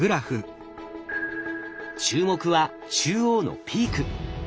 注目は中央のピーク。